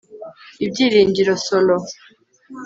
ibyiringiro solo